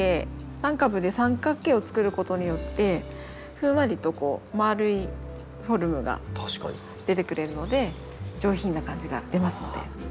３株で三角形を作ることによってふんわりと丸いフォルムが出てくれるので上品な感じが出ますので。